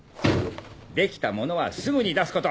出来たものはすぐに出すこと。